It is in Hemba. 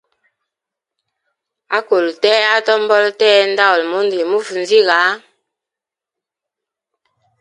Akulu tee, atombola tee, ndauli mundu limufaa nziga.